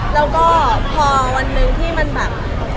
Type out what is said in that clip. แล้วก็พอวันหนึ่งที่มันแบบ